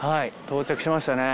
到着しましたね。